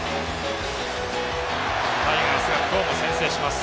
タイガースが今日も先制します。